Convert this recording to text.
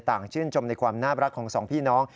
ชื่นชมในความน่ารักของสองพี่น้อง